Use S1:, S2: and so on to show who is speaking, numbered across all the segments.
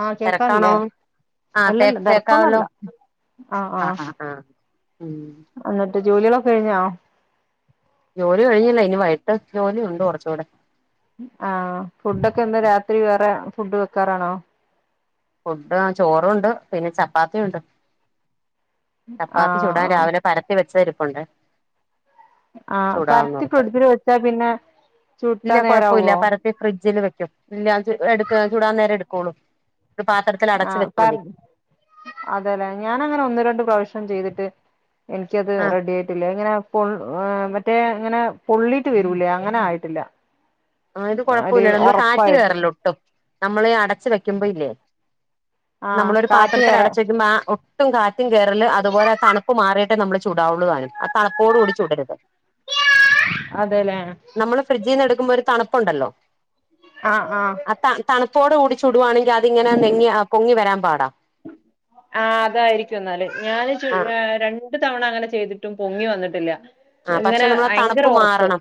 S1: ആഹ്
S2: തിരക്കാണോ
S1: കേൾക്കാനല്ലേ....
S2: ആഹ് തേ
S1: അല്ലല്ല
S2: കേക്കാവല്ലോ
S1: തെരക്കൊന്നല്ല ആഹ ആഹ.....
S2: ആഹ് ആഹ് ആഹ് ഉം
S1: എന്നിട്ട് ജോലികളൊക്കെ കഴിഞ്ഞോ....
S2: ജോലി കഴിഞ്ഞില്ല ഇനി വൈട്ട ജോലി ഉണ്ട് കുറച്ചുകൂടെ......
S1: ആഹ് ഫുഡൊക്കെ ഒന്ന് രാത്രി വേറെ ഫുഡ് വെക്കാറാണോ
S2: ഫുഡ് ചോറുംണ്ട് പിന്നെ ചപ്പാത്തിയുണ്ട്. ചപ്പാത്തി
S1: ആഹ്
S2: ചൂടാൻ
S1: ആഹ്
S2: രാവിലെ പരത്തി വെച്ചതിരിപ്പുണ്ട്.
S1: ആഹ
S2: ചൂടാവുന്നോർത്ത്
S1: പത്തിപ്പൊടുത്തിട്ട വെച്ചാ പിന്നെ.
S2: ഇല്ല
S1: ചുട്ടാ
S2: കുഴപ്പമില്ല
S1: നേരാവോ
S2: പരത്തി ഫ്രിഡ്ജില് വെക്കും ഇല്ല എടു ചൂടാൻ നേരം എടുക്കുള്ളൂ. ഒരു പാത്രത്തിൽ അടച്ച്
S1: ആഹ്
S2: വെച്ചാൽ
S1: പറ
S2: മതി
S1: അതെല്ലെ ഞാാന അങ്ങനെ ഒന്ന് രണ്ട് പ്രാവശ്യനം ചെയ്തിട്ട്..... എനിക്കത് റെഡി ആയിട്ടില്ലേ എങ്ങ.... പൊ മറ്റേ ഇങ്ങനെ പൊള്ളീട്ട് വരൂലേ അങ്ങനെ ആയിട്ടില്ല.
S2: ആഹ് ഇത്
S1: ഒരു
S2: കൊഴപ്പില്ല നമ്മള് കാറ്റ്
S1: ഒറപ്പായിട്ട്
S2: കേയറല്ലോ ഒട്ടും നമ്മൾ അടച്ച വെക്കുമ്പോ ഇല്ലേ.
S1: ആഹ്
S2: നമ്മളൊരു
S1: കാറ്റ്
S2: പാത്രത്തില്
S1: കേറാ
S2: അടച്ചെക്കുമ്പോ ആ ഇ [unintelligible] ട്ടും കാറ്റും കയറല് അതുപോലെ തണുപ്പ് മാറിയിട്ടേ നമ്മള് ചൂടാവുള്ളു താനും ആ തണുപ്പോടുകൂടി ചുടരുത്
S1: അതെല്ലേ
S2: നമ്മള് ഫ്രിഡ്ജിൽന്ന് എടുക്കുമ്പോൾ ഒരു പ്പുണ്ടല്ലോ
S1: ആഹ് ആഹ്
S2: പ്പോടെ കൂടിച്ചുടുവാണെങ്കിൽ അതിങ്ങെനെ ഞെങ്ങി പൊങ്ങി വരാൻ പാടാ
S1: ആഹ് അതായിരിക്കും എന്നാല് ഞാന്
S2: ആ
S1: ചുട് രണ്ടു തവണ അങ്ങനെ ചെയ്തിട്ട് ഒട്ടും പൊങ്ങി വന്നിട്ടില്ല
S2: ആഹ് പക്ഷെ
S1: ഇങ്ങനെ
S2: നമ്മളെ
S1: ഭയങ്കര
S2: തണുപ്പ്
S1: ഉറപ്പ്
S2: മാറണം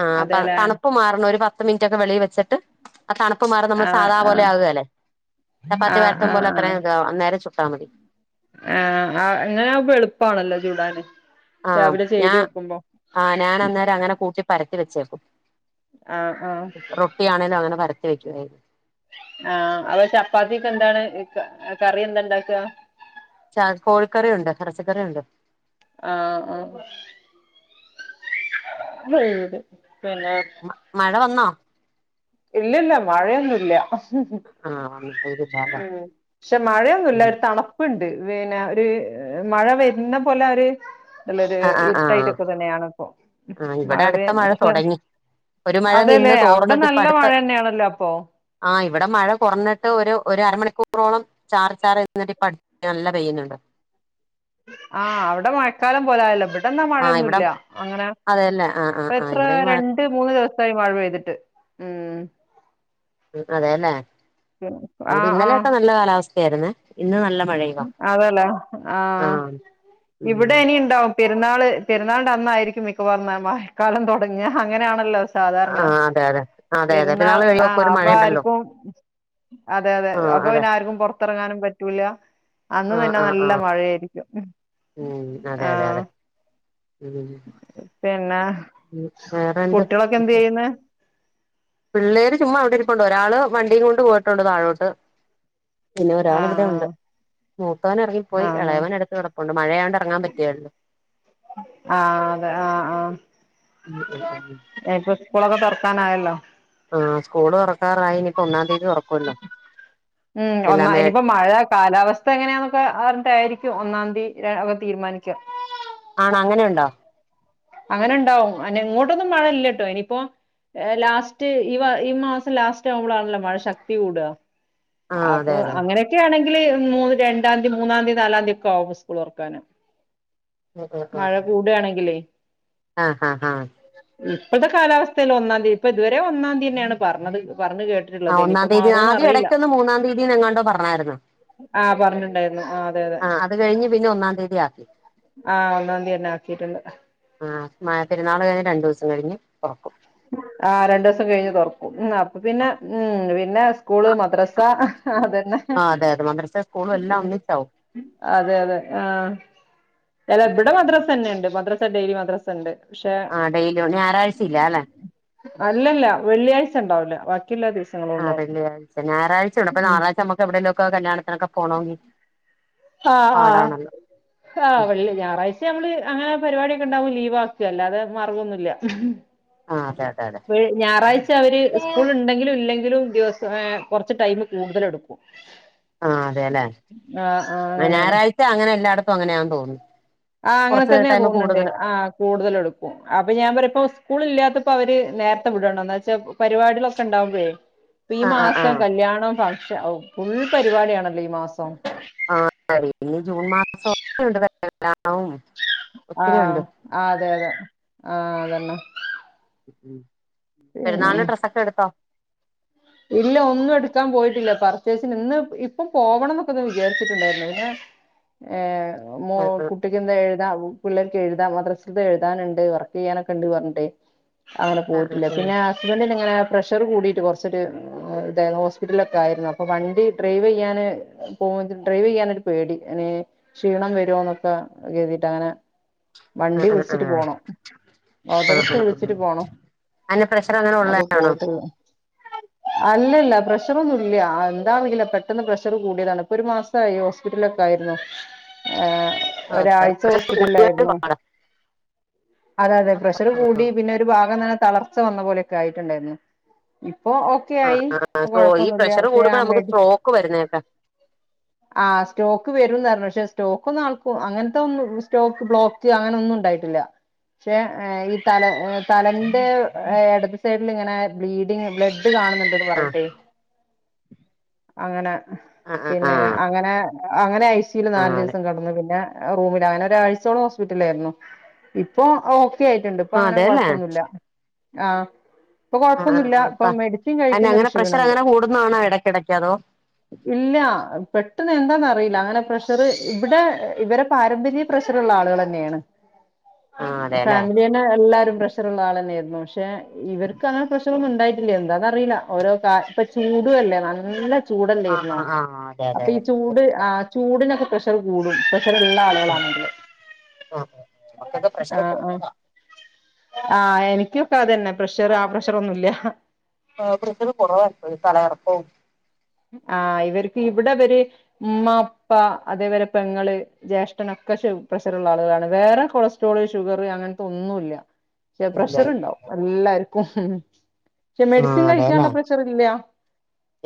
S2: ആഹ് അപ്പ
S1: അതെല്ലേ
S2: തണുപ്പ് മാറണം ഒരു പത്ത് മിനിറ്റ് ഒക്കെ വെളീല് വെച്ചിട്ട് ആ തണുപ്പ് മാറു
S1: ആ
S2: നമ്മള് സാദാ
S1: ആ
S2: പോലെ ആകേലെ
S1: ആ
S2: ചപ്പാത്തി
S1: ആ
S2: പരത്തും പോലെ
S1: ആ
S2: അത്രേം താ അന്നേരം ചുട്ടാ മതി
S1: ആ ആ ങ്ങനാവുമ്പൊ എളുപ്പാണല്ലോ ചുടാന്
S2: ആ ഞാ ആ ഞാനന്നേരം അങ്ങനെ കൂട്ടി പരത്തി വെച്ചേക്കും
S1: ആ ആ
S2: റൊട്ടിയാണേലും അങ്ങനെ പരത്തി വെക്കുവായിരുന്നു
S1: ആ അപ ചപ്പാത്തിക്കെന്താണ് ക കറി എന്താ ഇണ്ടാക്കാ
S2: ച കോഴിക്കറി ഉണ്ട് എറച്ചിക്കറി ഉണ്ട്
S1: ആ ആ [unintelligible]
S2: മ മഴ വന്നോ?
S1: ഇല്ലല്ല മഴയൊന്നൂല്ല ഉം ഉം
S2: ആ വന്നിട്ടേക്കില്ല അല്ലേ
S1: ക്ഷെ മഴയൊന്നുല്ല ഒരു തണപ്പ് പിന്നെ ഒര് മഴ വരുന്ന പോലെ ര് നല്ലൊരു
S2: ആ ആ ആ
S1: ഇരുട്ടായിട്ടൊക്കെ തന്നെയാണ് ഇപ്പൊ
S2: ആ
S1: മഴ
S2: ഇവിടെ അടുത്ത
S1: പക്ഷെ
S2: തുടങ്ങി
S1: അതെല്ലേ അവിടെ
S2: [unintelligible]
S1: നല്
S2: ത്ത് ആ ഇവടെ മഴ കൊറഞ്ഞിട്ട് ഒരു ഒര്അരമണിക്കൂ റോളം ചാറി ചാറി നിന്നിട്ടിപ്പം അടി നല്ല പെയ്യ്നിട്
S1: ആ അവിടെ മഴക്കാലം പോലായല്ലോ? ഇവിടെന്നാ
S2: ആ ഇവിടെ
S1: മഴയൊന്നൂല്ല അങ്ങനെ
S2: അതെല്ലേ ആ ആ
S1: ഇപ്പ
S2: ആ
S1: എത്ര
S2: ഇവിടെ മഴ
S1: രണ്ട് മൂന്ന് ദിവസായി മഴ പെയ്തിട്ട് ഉം
S2: ഉം അതേല്ലേ ഇവിടെ
S1: ആഹ് ആഹ്
S2: ഇന്നലെയൊക്കെ നല്ല കാലാവസ്ഥ ആയിരുന്നേ ഇന്ന് നല്ല മഴ
S1: അതല്ലേ ആ
S2: ഉം
S1: ഇവിടെ ഇനി ഇണ്ടാവും പി പെരുന്നാള് പെരുന്നാളിൻ്റെ അന്നായിരിക്കും മിക്കവാറും മഴ മഴക്കാലം തൊടങ്ങാ അങ്ങനാണല്ലോ
S2: ആ
S1: സാധാരണ
S2: അതെ അതെ അതെ അതെ
S1: പെരുന്നാൾ
S2: പെരുന്നാള്
S1: ആ
S2: കഴിയുമ്പൊക്കെ ഒരു
S1: അപ്പൊ
S2: മഴയുണ്ടല്ലോ
S1: ആയിരിക്കും അതെ അതെ
S2: ആ
S1: അപ്പൊ
S2: അതെ
S1: പിന്നെ ആർക്കും പുറത്തിറങ്ങാനും പറ്റൂല്ല അന്ന്
S2: ആ
S1: തന്നെ
S2: ആ ആ
S1: നല്ല മഴയായിരിക്കും
S2: ഉം അതെ അതെ
S1: ആഹ്
S2: അതെ ഉം
S1: പിന്നെ
S2: വേറെന്ത്
S1: കുട്ടിളൊക്കെ എന്തിയ്യുന്ന്
S2: പിള്ളേര് ചുമ്മാ അവിടെ ഇരിപ്പുണ്ട് ഒരാള് വണ്ടീം കൊണ്ട് പോയിട്ടുണ്ട് താഴോട്ട് പിന്നെ ഒരാൾ ഇവിടെ ഇണ്ട്
S1: ആഹ്
S2: മൂത്തവൻ എറങ്ങിപ്പോയി
S1: ആഹ് ആഹ്
S2: എളയവൻ അടുത്ത് കിടപ്പുണ്ട് മഴയാണ്ട് എറങ്ങാൻ പറ്റിയല്ലാ
S1: ആ അതെ ആ ആ ഇനിപ്പൊ സ്കൂളൊക്കെ തുറക്കാന് ആയി
S2: ആ സ്കൂള് തൊറക്കാറായി ഇനിപ്പൊ ഒന്നാം തീയ
S1: ഉം
S2: എല്ലാമേ
S1: ഇനിപ്പോ മഴ കാലാവസ്ഥ എങ്ങയാന്നൊക്കെ അറിഞ്ഞിട്ടായിരിക്കും ഒന്നാംന്തി ര [unintelligible] തീരുമാനിക്ക
S2: ആണോ അങ്ങനെ ഇണ്ടോ
S1: അങ്ങനെ ഇണ്ടാവും ഇങ്ങോട്ടൊന്നും മഴ ഇല്ലാട്ടോ ഇനിയിപ്പോ ലാസ്റ്റ് ഈ ഈ മാസം ലാസ്റ്റ് ആവുമ്പോളാണല്ലോ മഴ ശക്തി കൂടാ
S2: ആഹ്
S1: അപ്പൊ
S2: അതെ അതെ
S1: അങ്ങനെയൊക്കെ ആണെങ്കി [unintelligible] മു രണ്ടാന്തി മൂന്നാന്തി നാലാന്തി ഒക്കെ ആവും സ്കൂള് തൊറക്കാന് മഴ കൂടാണെങ്കിലയ്
S2: ആ ഹ ഹ ഹ
S1: ഇപ്പോഴത്തെ കാലാവസ്ഥയില് ഒന്നാംന്തി ഇപ്പ ഇതുവരെ ഒന്നാന്തിന്നെയാണ് പറഞ്ഞത് പറഞ്ഞ്
S2: ആഹ്
S1: കേട്ടിട്ടുള്ളത്
S2: ഒന്നാം
S1: ഇനിപ്പം
S2: തീയതി
S1: മാറൂന്ന്
S2: ആദ്യം
S1: അറിയില്ല
S2: ഇടയ്ക്കൊന്ന് മൂന്നാം തീയതിന്നോ എങ്ങാണ്ടോ പറഞ്ഞായിരുന്നു
S1: ആ പറഞ്ഞിട്ടുണ്ടായിരുന്നു അതെ അതെ
S2: ആ അത് കഴിഞ്ഞ് പിന്നെ ഒന്നാം തീയതി ആക്കി
S1: ആ ഒന്നാം തീയതി തന്നെ ആക്കിട്ടുണ്ട്
S2: മ പെരുന്നാൾ കഴിഞ്ഞ് രണ്ടു ദിവസം കഴിഞ്ഞ് തുറക്കും
S1: ആ രണ്ടു ദിവസം കഴിഞ്ഞ് തൊറക്കും അപ്പൊ പിന്നെ ഉം പിന്നെ സ്കൂള് മദ്രസ അതന്നെ
S2: ആഹ് അതെ അതെ മദ്രസ സ്കൂളും എല്ലാം
S1: ഉ
S2: ഒന്നിച്ചാവും
S1: അതെ അതെ ആ അല്ല ഇവിടെ മദ്രാസ് തന്നെ ഉണ്ട് മദ്രാസ ഡെയിലി മദ്രാസ ഉണ്ട് പക്ഷെ
S2: ആ ഡെയില്യാ ഞായറാഴ്ചയില്ല അല്ലെ
S1: അല്ലല്ല വെള്ളിയാഴ്ച ഉണ്ടാവൂലാ
S2: ആ വെള്ളിയാഴ്ച ഞായാഴ്ച ഉണ്ട് അപ്പ
S1: ഉം
S2: ഞായറാഴ്ച നമുക്ക് എവിടെ ലൊക്കെ കല്യാണത്തിനൊക്കെ പോണങ്കിൽ
S1: ആ ആ ആ വെള്ളി ഞായറാഴ്ച നമ്മള് അങ്ങനെ പരിപാടിയൊക്കെ ഉണ്ടാവും ലീവ് ആക്കുവോകല്ല അതെ മാർഗംന്നുമല്ല
S2: ആഹ് അതെ അതെ അതെ
S1: ഞായറാഴ്ച അവര് സ്കൂള്
S2: ആഹ്
S1: ഉണ്ടെങ്കിലും ഇല്ലെങ്കിലും ദിവസം കൊറച്ച് ടൈമ് കൂടുതൽ എടുക്കും
S2: ആ അതെല്ലേ
S1: അങ്ങനെയാണ്
S2: ഞായറാഴ്ച അങ്ങനെ എല്ലായിടത്തും അങ്ങനെയാെന്ന് തോന്നുന്നു
S1: ആ അങ്ങനെ
S2: കുറച്ച്
S1: തന്നെയാന്ന്
S2: ടൈം
S1: തോന്നുന്നുണ്ട്
S2: കൂടുതല്
S1: ആ കൂടുതല് എടുക്കും അപ്പൊ ഞാൻ പറയാപ്പം സ്കൂളില്ലാത്ത ഇപ്പൊ അവര് നേരത്തെ വിടണണ്ട് എന്ന് വെച്ചാ പരിപാടികളൊക്കെ ഉണ്ടാവുമ്പോഴേ ഈ
S2: ആഹ് ആഹ്
S1: മാസം
S2: ആഹ്
S1: കല്യാണം ക്ഷെ ഓ ഫുൾ പരിപാടിയാണല്ലോ ഈ മാസം
S2: ആഹ് പിന്നെ ജൂൺ മാസം ഒക്കെ ഉണ്ട് [unintelligible]
S1: ആ അതെ അതെ ആ അതന്നെ
S2: ഉ
S1: പിന്നെ
S2: പെരുന്നാളിന് ഡ്രസ്സൊക്കെ എടുത്തോ
S1: ഇല്ല ഒന്നും എടുക്കാൻ പോയിട്ടില്ല പർച്ചേസിന് ഇന്ന് ഇപ്പം പോവണം എന്നൊക്കെ ഒന്ന് വിചാരിച്ചിട്ടുണ്ടായിരുന്നു പിന്നെ ഏ മോ
S2: ആഹ്
S1: കുട്ടിക്കിന്ന് എ ഇതാവും പിള്ളേർക്ക് എഴുതാ മദ്രസത്തിലെ എഴുതാനുണ്ട് വർക്ക് ചെയ്യാനൊക്കെ ഉണ്ട് പറഞ്ഞിട്ട് അങ്ങനെ
S2: ആഹ് ആഹ്
S1: പോയിട്ടില്ല പിന്നെ
S2: ആഹ്
S1: ഹസ്ബൻഡിന് ഇങ്ങനെ പ്രഷർ കൂടിയിട്ട് കുറച്ച് ഇച്ചിരി ഇദ്ദേഹം ഹോസ്പിറ്റലൊക്കെ ആയിരുന്നു അപ്പൊ വണ്ടി ഡ്രൈവ് ചെയ്യാന് പോ ഡ്രൈവ് ചെയ്യ പേടി അതിന് ക്ഷീണം വരുവോന്നൊക്കെ കരുതിട്ട് അങ്ങനെ വണ്ടി
S2: ആഹ്
S1: വിളിച്ചിട്ട്
S2: ആഹ്
S1: പോണം ഓട്ടോറിക്ഷ
S2: ആഹ് ആഹ് ആഹ്
S1: വിളിച്ചിട്ട് പോണം
S2: അതിന്റെ പ്രഷർ അങ്ങനെ
S1: അപ്പൊ
S2: ഉള്ളതാണോ
S1: പോയിട്ടൊള്ളു
S2: [unintelligible]
S1: അല്ലല്ല പ്രഷറൊന്നും ഇല്ല എന്താണെറിയില്ല പെട്ടെന്ന് പ്രഷർ കൂടിയതാണ് ഇപ്പൊ ഒരു മാസമായി ഹോസ്പിറ്റലൊക്കെ ആയി രുന്നു ആ ഒരാഴ്ച ഹോസ്പിറ്റലായിരുന്നു അതെ അതെ പ്രഷർ കൂടി പിന്നെ ഒരു ഭാഗം തന്നെ തളർച്ച വന്ന പോലെക്കെ ആയിട്ടുണ്ടായിരുന്നു ഇപ്പൊ ഓക്കെയി ഇപ്പൊ
S2: ഈ
S1: കൊഴപ്പൊന്നുമില്ല
S2: പ്രഷർ
S1: പക്ഷെ
S2: കൂടുമ്പോ
S1: ആ
S2: നമുക്ക്
S1: മെഡി
S2: സ്ട്രോക്ക് വരുന്നേക്കെ
S1: ആ സ്ട്രോക്ക് വരും എന്നായിരുന്നു പക്ഷെ സ്ട്രോക്ക് ഒന്നും ആൾക്ക അങ്ങനത്തെ ഒന്നും സ്ട്രോക്ക് ബ്ലോക്ക് അങ്ങനെ ഒന്നും ഉണ്ടായിട്ടില്ല പക്ഷെ ഈ തല തലേന്റെ ഇടത് സൈഡിൽ ഇങ്ങനെ ബ്ലീഡ് ബ്ലഡ് കാണുന്നുണ്ട്ന്ന്
S2: ആഹ്
S1: പറഞ്ഞിട്ടേ അങ്ങനെ
S2: ആഹ്
S1: പിന്നെ
S2: ആഹ്
S1: അങ്ങനെ അങ്ങനെ ഐ സിയില് നാലു
S2: ആഹ് അതെ
S1: ദിവസം കടന്നു പിന്നെ ആ റൂമില് അങ്ങനെ ഒരാഴ്ചയോളം ഹോസ്പിറ്റലായിരുന്നു ഇപ്പൊ ഓ ക്കെയായിട്ടണ്ട് ഇപ്പൊ
S2: ആഹ്
S1: അങ്ങനെ
S2: അതെല്ലേ
S1: കുഴപ്പൊന്നുമില്ല ആ
S2: ആഹ് ആഹ്
S1: കൊഴപ്പൊന്നുമില്ല
S2: ആഹ്
S1: ഇപ്പൊ
S2: ഇപ്പ
S1: മെഡിസിൻ
S2: അയിന്
S1: കഴിക്കുന്നൊരു
S2: അങ്ങനെ പ്രഷർ
S1: ക്ഷീണണ്ട്
S2: അങ്ങനെ കൂടുന്നതാണോ ഇടക്കിടക്ക് അതോ
S1: ഇല്ല പെട് പെട്ടന്ന് എന്താന്ന് അറിയില്ല അങ്ങനെ പ്രഷർ ഇവിടെ ഇവരെ പാരമ്പര്യ പ്രഷറുള്ള ആളുകൾ തന്നെയാണ് ആ
S2: ആഹ് അതെല്ലേ
S1: ഫാമിലി തന്നെ എല്ലാരും പ്രഷറുള്ള ആൾ തന്നെയായിരുന്നു പക്ഷെ ഇവർക്ക് ആ പ്രശ് ത്തൊന്നും ഉണ്ടായിട്ടില്ല എന്താറിയില്ല ഓരോ കാ ഇപ്പ ചൂട അല്ലേ നല്ല
S2: ആഹ്
S1: ചൂടല്ലായിരുന്നോ
S2: ആഹ് ആഹ് അതെ അതെ
S1: അപ്പൊ
S2: അതെ
S1: ഈ
S2: നല്ല
S1: ചൂട്
S2: ചൂടാ
S1: ആ ചൂടിനൊരു പ്രഷർ കൂടും പ ഇള്ള
S2: ഉം
S1: ആള്കളാണ്
S2: ആഹ് ആഹ് നമുക്കൊക്കെ പ്രഷർ
S1: ആ ആ
S2: കുറവാ
S1: ആ എനിക്കൊക്കെ അതന്നെ പ്രഷറ് ആ പ്രഷറ് ഒന്നുല്ല
S2: ഏ കൃഷത് കുറവായിക്ക തല ഇറപ്പവും
S1: ആഹ് ഇവര്ക്ക് ഇവിടെവര് ഉമ്മ ഉപ്പ അതേപോലെ പെങ്ങള് ജ്യേഷ്ഠനൊക്കെ ക്ക പ്രഷറ് ഇള്ള ആള്കളാണ് വേറെ കൊളസ്ട്രോള് ഷുഗറ് അങ്ങനത്തെ ഒന്നുല്ല
S2: ഇല്ല
S1: പ്രഷറ്
S2: ഇല്ല
S1: ഇണ്ടാവും എല്ലാർക്കും പക്ഷെ മെഡിസിൻ
S2: ആഹ്
S1: കഴിക്കാൻള്ള
S2: അതെല്ലേ
S1: പ്രഷർ ഇല്ല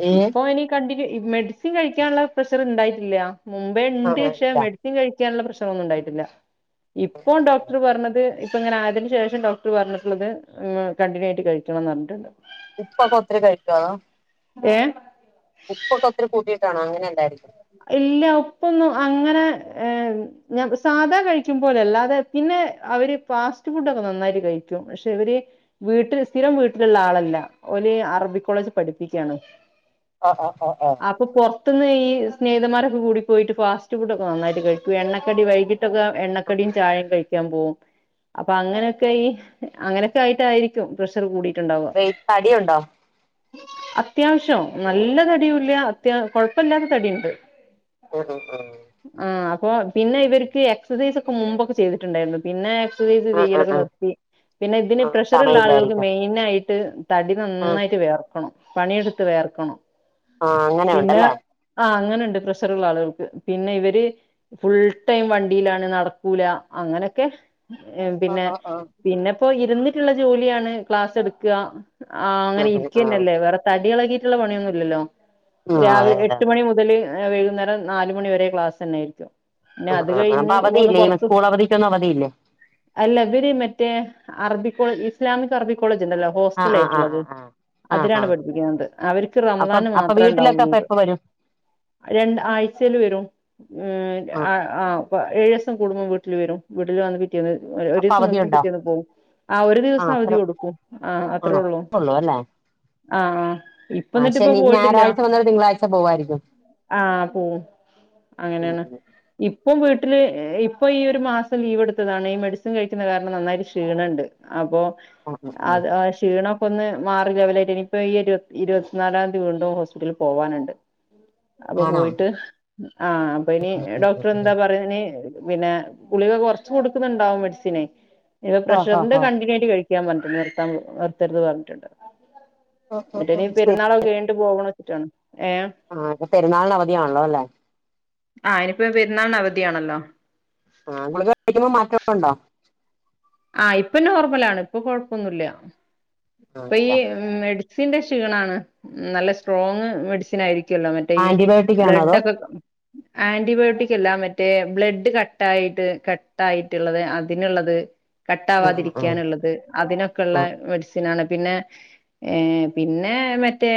S2: ഏഹ്
S1: കണ്ടിനു മെഡിസിൻ കഴിക്കാൻള്ള പ്രഷറ് ഇണ്ടായിട്ടില്ല മുമ്പേ ഇണ്ട്
S2: ആഹ് ആഹ്
S1: പക്ഷെ
S2: ഇല്ല
S1: മെഡിസിൻ കഴി ക്കാനുള്ള പ്രശറൊന്നും ഇണ്ടായിട്ടില്ല ഇപ്പൊ ഡോക്ടർ പറഞ്ഞത് ഇപ്പ ഇങ്ങനെ ആയതിന് ശേഷം ഡോക്ടർ പറഞ്ഞിട്ടിള്ളത് കണ്ടിന്യൂ ആയിട്ട് കഴിക്കണന്ന് പറഞ്ഞിട്ടിണ്ട്
S2: ഇപ്പൊക്കെ ഒത്തിരി കഴിക്കൊ?
S1: ഏഹ്
S2: ഇപ്പൊക്കെ ഒത്തിരി കൂട്ടയിട്ടാണോ അങ്ങനെന്തായിരി
S1: ഇല്ല ഉപ്പൊന്നും അങ്ങനെ ഞാ സാധാ കഴിക്കുമ്പോലെ അല്ലാതെ പിന്നെ അവര് ഫാസ്റ്റ് ഫുഡ ഒക്കെ നന്നായിട്ട് കഴിക്കും പക്ഷെ ഇവര് വീട്ടില് സ്ഥിരം വീട്ടിലിള്ള ആളല്ല ഒല് അറബി കോളേജ് പഠിപ്പിക്കയാണ്
S2: ഓ ഹോ ഹോ
S1: പെട്ടന്ന് ഈ സ്നേഹിതമ്മാര്ക്കെ കൂടി പോയിട്ട് ഫാസ്റ്റ് ഫുഡ്ക്കെ നന്നായിട്ട് കഴിക്കും എണ്ണക്കടി വൈകിട്ട്
S2: ആഹ്
S1: എണ്ണക്കടിയും
S2: ആഹ്
S1: ചായയും കഴിക്കാൻ പോവും അപ്പ അങ്ങനെയെക്കെ ഈ അങ്ങനെയൊക്കെ ആയിട്ടായിരിക്കും പ്രഷറ് കൂടി
S2: വെ ത്തടിയുണ്ടോ
S1: അത്യാവശ്യം നല്ല തടിയൂല്ല അത്യാ കൊഴപ്പില്ലാത്ത തടിയിണ്ട്
S2: [unintelligible]
S1: പിന്നെ ഇവര്ക്ക് എക്സസൈസ് ഒക്കെ മുമ്പൊക്കെ ചെയ്തിട്ടിണ്ടായിരുന്നു പിന്നെ
S2: ഉം ഉം
S1: ലൊക്കെ
S2: ഉം ഉം
S1: നിർത്തി പിന്നെ ഇതിന്
S2: ആഹ്
S1: പ്രഷറ്ള്ള ആള്കൾക്ക്
S2: സമയില്ലായിരിക്കും
S1: മെയിനാ ആയിട്ട് തടി
S2: ഉം
S1: നന്നായിട്ട് വേർക്കണം പണിയെടുത്ത് വേർക്കണം
S2: ആഹ് അങ്ങനെ
S1: പിന്നെ
S2: ഉണ്ടല്ലേ
S1: ആ അങ്ങനെ പ്രഷറ്ള്ള ആള്കൾക്ക്. പിന്നെ ഇവര് ഫുൾ ടൈം വണ്ടിയിലാണ്, നടക്കൂല. അങ്ങനൊക്കെ
S2: ആഹ്
S1: പിന്നെ
S2: ആഹ് ആഹ്
S1: പിന്നപ്പോ ഇരുന്നിട്ടിള്ള ജോലിയാണ് ക്ലാസ് എട്ക്കാ ആ അങ്ങനെ
S2: ഉം ഉം ആഹ്
S1: ഇരിക്കേന്നല്ലേ വേറെ തടി ഇളകിയിട്ടിള്ള പണിയൊന്നുംല്ലല്ലോ
S2: ആഹ് അതെ
S1: രാവിലെ
S2: അതെ
S1: എട്ട്
S2: അതെ
S1: മണി മുതല് വൈകുന്നേരം നാല് മണി വരെ ക്ലാസ്സ് തന്നെയായിരിക്കും പിന്നെ
S2: ഉം
S1: അത്
S2: ഉം ഉം അപ്പൊ
S1: കഴിഞ്ഞ് ഒന്ന്
S2: അവധിയില്ലേ
S1: പൊറത്ത്
S2: സ്കൂൾ അവധിക്കൊന്നും അവധിയില്ലേ
S1: അല്ല ഇവര് മറ്റേ അറബി കോളേ ഇസ്ലാമിക് അറബി കോളേജ് ഇണ്ടല്ലോ
S2: ആഹ് ആഹ് ആഹ്
S1: ഹോസ്റ്റലായിട്ടിള്ളത്
S2: ആഹ് ആഹ് ആഹ്
S1: അതിനാണ്
S2: ആഹ്
S1: പഠിപ്പിക്കിന്നത് അവർക്ക്
S2: അപ്പം
S1: റമദാന്
S2: അപ്പൊ
S1: മാത്രം
S2: വീട്ടിലൊക്കെ അപ്പൊ
S1: ഇണ്ടാവുള്ളൂത്
S2: എപ്പ വരും
S1: രണ്ട് ആഴ്ചെൽ വരും മ്..
S2: ആഹ്
S1: ആ.. ഏഴീസം കൂടുമ്പോം വീ [unintelligible] വീട്ടിൽ വന്ന്പി റ്റന്ന്
S2: അപ്പൊ
S1: ഒരീസം നിക്കും
S2: അവധിയുണ്ടോ
S1: പിറ്റേന്ന് പോവും. ആ ഒരു ദിവസം
S2: ആഹ് അത്ര
S1: അവധി കൊടുക്കും. ആഹ് അത്രേ ഉള്ളൂ. ആ ആ ഇപ്പ
S2: ആ
S1: എന്നിട്ട് ഇപ്പ
S2: ശനി
S1: പോയിട്ടില്ല
S2: ഞായറാഴ്ച വന്ന് ഒരു തിങ്കളാഴ്ച പോവായിരിക്കും
S1: ആ പോവും
S2: ഉം
S1: അങ്ങനെണ്
S2: ഉം
S1: ഇപ്പം വീട്ടില് ഇപ്പൊ ഈ ഒരു മാസം ലീവ് എടുത്തതാണ് ഈ മെഡിസിൻ കഴിക്കിന്ന കാരണം നന്നായിട്ട് ക്ഷീണോണ്ട്. അപ്പോ
S2: ഉം ഉം ഉം ഉം
S1: അത് ആ ക്ഷീണം ഇപ്പ് ഇന്ന് മാറി ലെവലായിട്ട് ഇനിയിപ്പോ ഈ ഇരി ഇര്പത്തിനാലാംതീ വീണ്ടും ഹോസ്പിറ്റ്ല് പോവാനിണ്ട് അപ്പൊ
S2: ആണോ
S1: പോയിട്ട് ആ അപ്പ ഇനി
S2: ഉം ഉം
S1: ഡോക്ടർ
S2: ഉം
S1: എന്താ
S2: ഉം
S1: പറയ ഇനി പിന്നെ ഗുളിക കൊർച്ച് കൊട്ക്ക്ന്നിണ്ടാവും മെഡ്സിന്. ഇപ്പ
S2: ആഹ് ആഹ്
S1: പ്രഷറിന്റെ
S2: ആഹ്
S1: കണ്ടിന്യുയായിട്ട് കഴിക് [unintelligible] നിർത്തർത് പർഞ്ഞിട്ടിണ്ട്
S2: ആഹ് ആഹ്
S1: എന്നിട്ടിനി
S2: ആഹ്
S1: പെരുന്നാളൊക്കെയായ്ണ്ട് പോവ്ണ്
S2: ആ ഇപ്പ പെരുന്നാൾന് അവധിയാണല്ലോല്ലേ?
S1: ആഹ് [inaudible] അവധിയാണല്ലോ
S2: ആ ഗുളിക കഴിക്കുമ്പോ മാറ്റണ്ടോ?
S1: ആ ഇപ്പൊ നോർമലാണ് ഇപ്പൊ കൊഴപ്പൊന്നൂല്യ.
S2: ആഹ്
S1: ഇപ്പ ഈ
S2: ഇല്ല
S1: മെഡി സിന്റെ ക്ഷീണാണ്. നല്ല സ്ട്രോങ്ങ് മെഡിസിൻ ആയിരിക്കും ക്കൂല്ലോ മറ്റേ ഈ
S2: ആന്റിബയോട്ടിക് ആണോ
S1: ബ്ലഡ്‌
S2: അതോ
S1: ഒക്കെ ആന്റിബയോട്ടിക്കല്ല മറ്റേ ബ്ലഡ് കട്ടായിട്ട് കട്ടായിട്ടുള്ളത് അതിനുള്ളത്
S2: ആഹ് ആഹ്
S1: കട്ടാവാതിരിക്കാനുള്ളത് അതിനൊക്കെയുള്ള
S2: ആഹ് ആഹ്
S1: മെഡിസിനാണ് പിന്നെ ഏ പിന്നെ മറ്റേ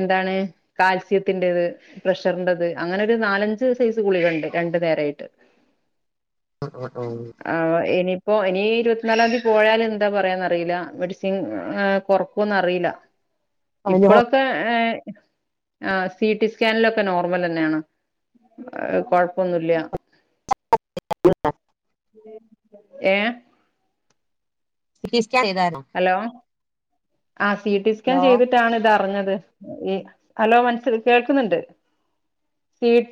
S1: എന്താണ് കാൽസ്യത്തിൻ്റെത് പ്രഷറിൻ്റത് അങ്ങനെ ഒരു നാലഞ്ച് സൈസ് ഗുളികേണ്ട്, രണ്ടു നേരായിട്ട്.
S2: [unintelligible] ആഹ് ആഹ് ആഹ്
S1: ആ ഇനി ഇപ്പൊ ഇനി ഇരുപത്തിനാലാംതീ പോയാല് എന്താ പറയാന്നറിയില്ല. മെഡിസിൻ കൊറക്കൂന്ന് അറിയില്ല.
S2: അതിന്
S1: ഇപ്പോളൊക്കെ സി ടി സ്കാനിലൊക്കെ നോർമല് തന്നെയാണ് കൊഴപ്പൊന്നുംല്യ ഏ
S2: ശ [unintelligible]
S1: ഹലോ ആ സി റ്റി സ്കാൻ
S2: ഹലോ
S1: ചെയ്തിട്ടാണ് ഇതറിഞ്ഞത് ഹലോ മനസ്സിൽ കേൾക്കുന്നുണ്ട് [inaudible]